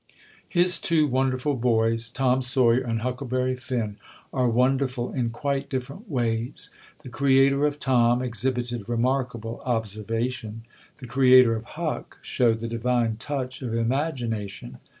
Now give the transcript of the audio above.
His two wonderful boys, Tom Sawyer and Huckleberry Finn, are wonderful in quite different ways. The creator of Tom exhibited remarkable observation; the creator of Huck showed the divine touch of imagination.